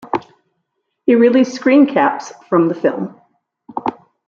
He released screencaps from the film.